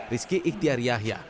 rizky ikhtiar yahya